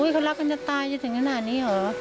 แม่ของแม่แม่ของแม่